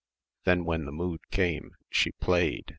Then when the mood came, she played